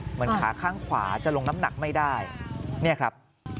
เหมือนขาข้างขวาจะลงน้ำหนักไม่ได้เนี่ยครับ